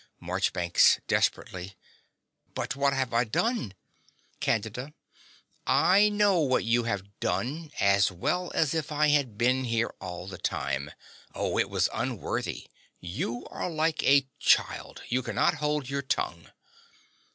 MARCHBANKS (desperately). But what have I done? CANDIDA. I know what you have done as well as if I had been here all the time. Oh, it was unworthy! You are like a child: you cannot hold your tongue.